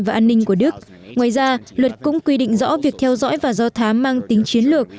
và an ninh của đức ngoài ra luật cũng quy định rõ việc theo dõi và do thám mang tính chiến lược